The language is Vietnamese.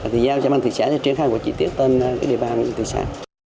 thì giao cho bàn thị xã để triển khai khoạch chi tiết tên địa bàn thị xã